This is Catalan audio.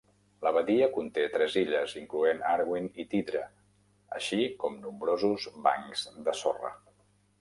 La badia conté tres illes, incloent Arguin i Tidra, així com nombrosos bancs de sorra.